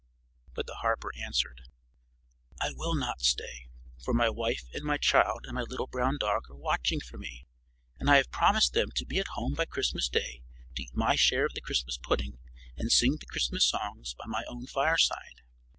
But the harper answered, "I will not stay, for my wife and my child and my little brown dog are watching for me; and I have promised them to be at home by Christmas day to eat my share of the Christmas pudding and sing the Christmas songs by my own fireside."